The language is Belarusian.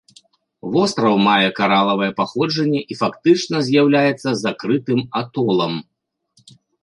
Востраў мае каралавае паходжанне і фактычна з'яўляецца закрытым атолам.